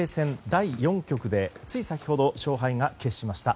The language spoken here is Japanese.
第４局でつい先ほど勝敗が決しました。